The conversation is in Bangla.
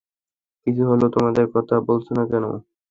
কি হল তোমাদের, কথা বলছ না কেন?